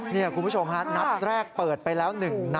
นี่คุณผู้ชมฮะนัดแรกเปิดไปแล้ว๑นัด